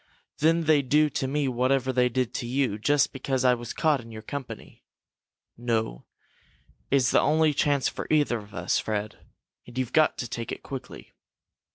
Then they'd do to me whatever they did to you, just because I was caught in your company. No, it's the only chance for either of us, Fred, and you've got to take it quickly."